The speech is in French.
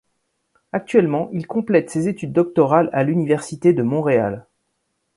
Actuellement, il complète ses études doctorales à l'Université de Montréal.